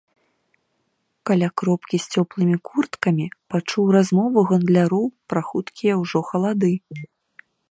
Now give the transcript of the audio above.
Каля кропкі з цёплымі курткамі пачуў размову гандляроў пра хуткія ўжо халады.